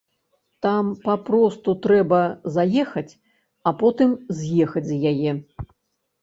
Там папросту трэба заехаць, а потым з'ехаць з яе.